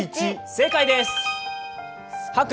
正解です。